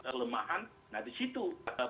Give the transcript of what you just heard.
kelemahan nah disitu